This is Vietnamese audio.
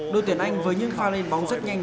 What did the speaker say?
đội tuyển anh với những pha lên bóng rất nhanh